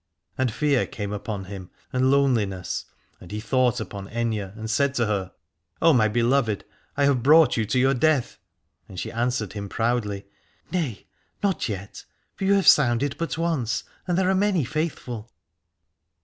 And fear came upon him and loneliness and he thought upon Aithne and said to her : O my beloved, I have brought you to your death. And she answered him proudly : Nay, not yet : for you have sounded but once, and there are many faithful.